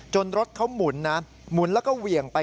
รถเขาหมุนนะหมุนแล้วก็เหวี่ยงไป